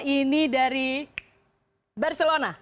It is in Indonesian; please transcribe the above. ini dari barcelona